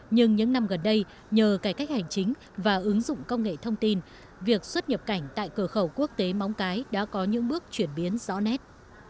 nhưng những năm gần đây nhờ cải cách hành chính và ứng dụng công nghệ thông tin việc xuất nhập cảnh tại cửa khẩu quốc tế móng cái đã có những bước chuyển biến rõ nét